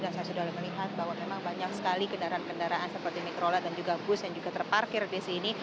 dan saya sudah melihat bahwa memang banyak sekali kendaraan kendaraan seperti mikrolet dan juga bus yang juga terparkir di sini